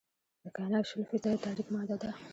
د کائنات شل فیصده تاریک ماده ده.